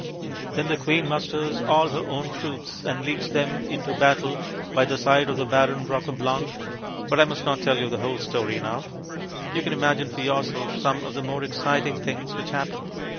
Then the queen musters all her own troops and leads them into battle by the side of the Baron Roqueblanc.... But I must not tell you the whole story now. You can imagine for yourself some of the more exciting things which happen.